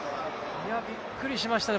いや、びっくりしましたね。